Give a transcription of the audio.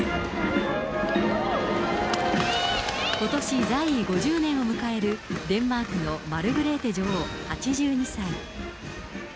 ことし、在位５０年を迎えるデンマークのマルグレーテ女王８２歳。